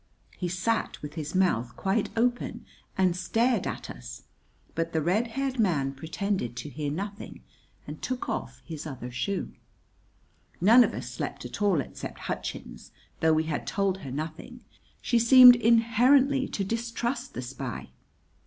He sat, with his mouth quite open, and stared at us: but the red haired man pretended to hear nothing and took off his other shoe. None of us slept at all except Hutchins. Though we had told her nothing, she seemed inherently to distrust the spy.